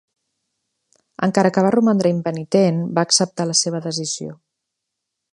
Encara que va romandre impenitent, va acceptar la seva decisió.